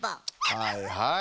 はいはい。